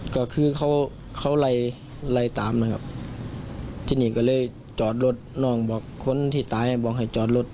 ก็คือเขาเขาไล่ไล่ตามนะครับที่นี่ก็เลยจอดรถน้องบอกคนที่ตายบอกให้จอดรถ